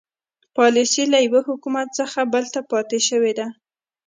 پالیسي له یوه حکومت څخه بل ته پاتې شوې ده.